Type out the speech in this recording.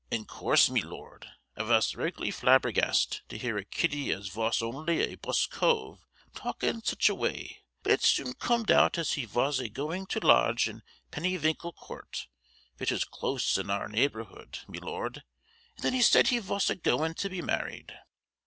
In course, me lord, I vos regularly flabbergasted to hear a kiddy as vos only a "buss cove" talk in sich a way, but it soon comed out as he vos a going to lodge in Pennyvinkle court, vich is close in our neighbourwood, me lord; and then he said he vos a goin to be married.